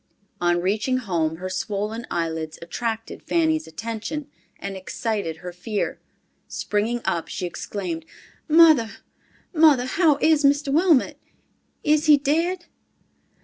On reaching home her swollen eyelids attracted Fanny's attention, and excited her fear. Springing up, she exclaimed, "Mother, mother, how is Mr. Wilmot? Is he dead?"